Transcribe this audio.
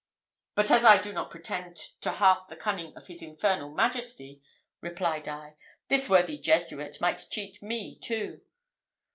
"But as I do not pretend to half the cunning of his infernal majesty," replied I, "this worthy Jesuit might cheat me too."